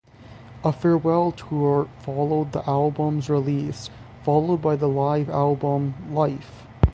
A farewell tour followed the album's release, followed by the live album "Life".